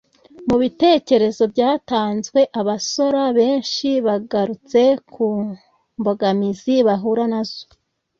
Mu bitekerezo byatanzwe abasora benshi bagarutse ku mbogamizi bahura nazo